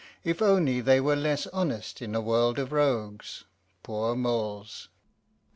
If only they were less honest in a world of rogues, poor moles!"